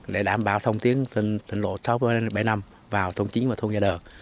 để đảm bảo thông tiến tỉnh lộ sáu bảy năm vào thôn chín và thôn gia đờ